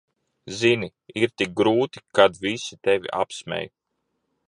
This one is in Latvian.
Zini, ir tik grūti, kad visi tevi apsmej.